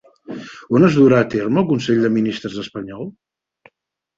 On es durà a terme el consell de ministres espanyol?